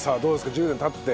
１０年経って。